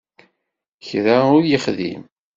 Kra ur yexdim.